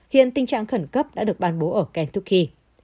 hiện tình trạng khẩn cấp đã được ban bố ở kentucky